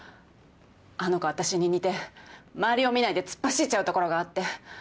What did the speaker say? あの子あたしに似て周りを見ないで突っ走っちゃうところがあって。